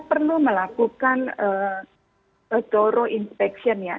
perlu melakukan toro inspection ya